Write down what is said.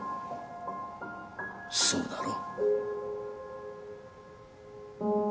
そうだろ？